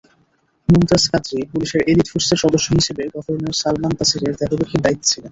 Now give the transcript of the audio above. মুমতাজ কাদরি পুলিশের এলিট ফোর্সের সদস্য হিসেবে গভর্নর সালমান তাসিরের দেহরক্ষীর দায়িত্বে ছিলেন।